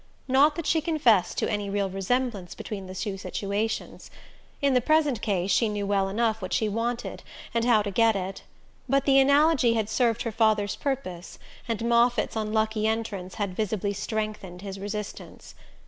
Not that she confessed to any real resemblance between the two situations. In the present case she knew well enough what she wanted, and how to get it. But the analogy had served her father's purpose, and Moffatt's unlucky entrance had visibly strengthened his resistance.